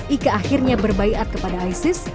ika akhirnya berbaikat kepada isis